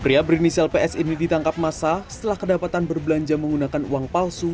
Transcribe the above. pria berinisial ps ini ditangkap masa setelah kedapatan berbelanja menggunakan uang palsu